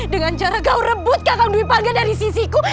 dengan cara kau rebut kakang dwi pangan dari sisiku